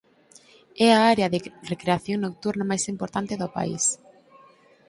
É a área de recreación nocturna máis importante do país.